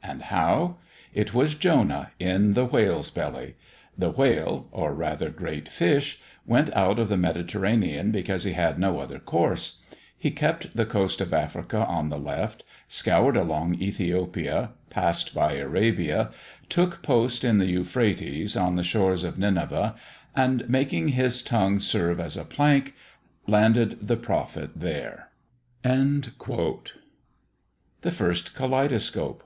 and how? It was Jonah, in the whale's belly. The whale (or rather great fish) went out of the Mediterranean because he had no other course; he kept the coast of Africa on the left, scoured along Ethiopia, passed by Arabia, took post in the Euphrates, on the shores of Nineveh, and, making his tongue serve as a plank, landed the prophet there." THE FIRST KALEIDOSCOPE.